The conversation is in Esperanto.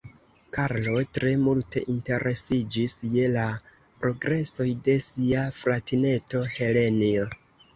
Karlo tre multe interesiĝis je la progresoj de sia fratineto Helenjo.